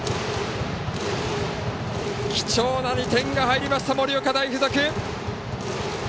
貴重な２点が入りました盛岡大付属。